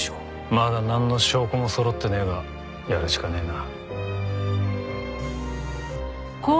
まだなんの証拠もそろってねえがやるしかねえな。